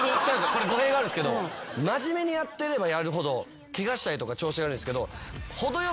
これ語弊があるんですけど真面目にやってればやるほどケガしたりとか調子悪いんすけど。